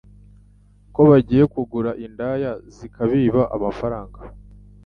ko bagiye kugura indaya zikabiba amafaranga,